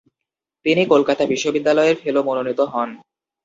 তিনি কলকাতা বিশ্ববিদ্যালয়ের ফেলো মনোনীত হন।